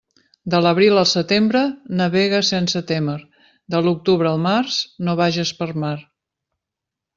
De l'abril al setembre, navega sense témer; de l'octubre al març, no vages per mar.